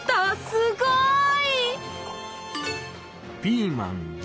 すごい！